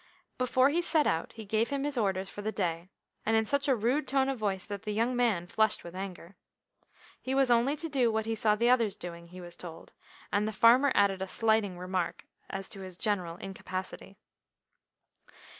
Before he set out he gave him his orders for the day, and in such a rude tone of voice that the young man flushed with anger. He was only to do what he saw the others doing, he was told, and the farmer added a slighting remark as to his general incapacity.